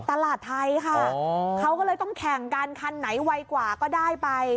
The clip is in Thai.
ตลาดไทยค่ะเขาก็เลยต้องแข่งกันคันไหนไวกว่าก็ได้ไป